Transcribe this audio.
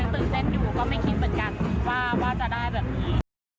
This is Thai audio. ตื่นเต้นอยู่ก็ไม่คิดเหมือนกันว่าจะได้แบบนี้